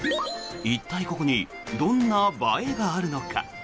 一体ここにどんな映えがあるのか。